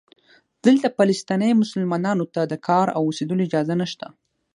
دلته فلسطینی مسلمانانو ته د کار او اوسېدلو اجازه نشته.